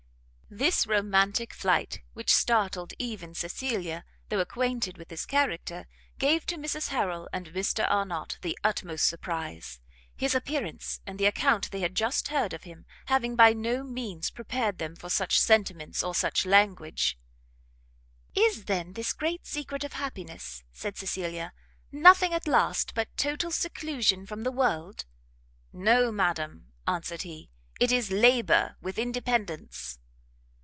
This romantic flight, which startled even Cecilia, though acquainted with his character, gave to Mrs Harrel and Mr Arnott the utmost surprize; his appearance, and the account they had just heard of him, having by no means prepared them for such sentiments or such language. "Is then this great secret of happiness," said Cecilia, "nothing, at last, but total seclusion from the world?" "No, madam," answered he, "it is Labour with Independence."